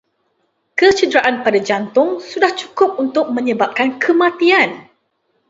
Kecederaan pada jantung sudah cukup untuk menyebabkan kematian